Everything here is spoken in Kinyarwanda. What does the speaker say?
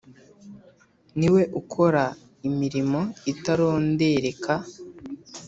Niwe ukora imirimo itarondereka